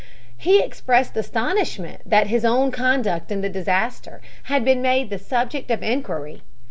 He expressed astonishment that his own conduct in the disaster had been made the subject of inquiry.